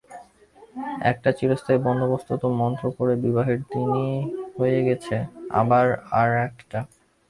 একটা চিরস্থায়ী বন্দোবস্ত তো মন্ত্র পড়ে বিবাহের দিনেই হয়ে গেছে, আবার আর-একটা!